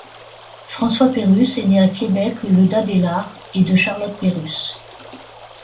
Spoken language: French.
François Pérusse est né à Québec le d'Adélard et de Charlotte Pérusse.